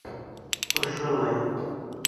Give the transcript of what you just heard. Ошолай!